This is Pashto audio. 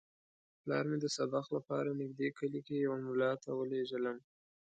پلار مې د سبق لپاره نږدې کلي کې یوه ملا ته ولېږلم.